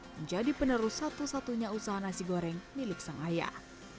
menjadi penerus satu satunya usaha nasi goreng milik sang ayah